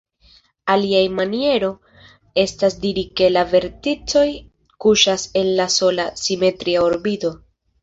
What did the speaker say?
Aliaj maniero estas diri ke la verticoj kuŝas en la sola "simetria orbito".